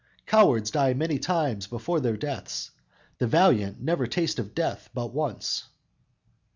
Cowards die many times before their deaths; The valiant never taste of death but once!"